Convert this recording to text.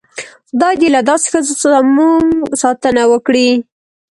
خدای دې له داسې ښځو زموږ ساتنه وکړي.